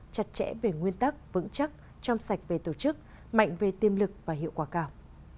chặt chẽ về nguyên tắc vững chắc trong sạch về tổ chức mạnh về tiêm lực và hiệu quả cao